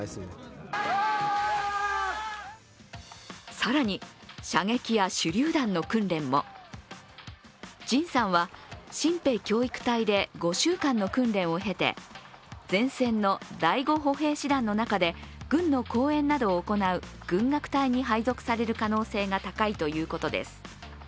更に、射撃や手りゅう弾の訓練もＪＩＮさんは新兵教育隊で５週間の訓練を経て前線の第５歩兵師団の中で軍の公演などを行う軍楽隊に配属される可能性が高いということです。